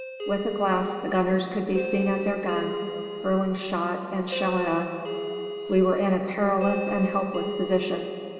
With a glass the gunners could be seen at their guns, hurling shot and shell at us. We were in a perilous and helpless position.